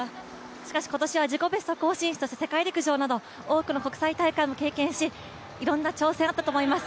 しかし今年は自己ベスト更新そして世界陸上など多くの国際大会も経験し、いろんな挑戦あったと思います。